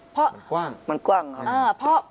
กว้างมันกว้างครับ